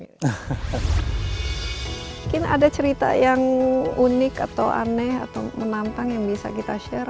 mungkin ada cerita yang unik atau aneh atau menantang yang bisa kita share